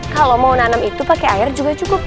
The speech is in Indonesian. kalau mau nanam itu pakai air juga cukup